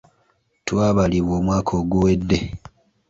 Twabalibwa omwaka oguwedde.